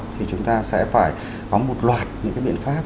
thì chúng ta sẽ phải có một loạt những cái biện pháp